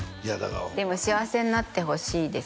でも幸せになってほしいです